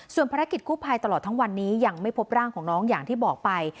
ส่วนภารกิจกู้ภัยตลอดทั้งวันนี้ยังไม่พบร่างของน้องอย่างที่บอกไป